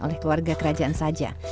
oleh keluarga kerajaan saja